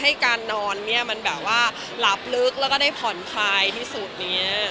คุณการเป็นพี่โซเกอร์คู่หลักเดียวแบบนี้กันได้ไหมคะ